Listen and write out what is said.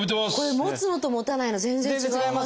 持つのと持たないの全然違います。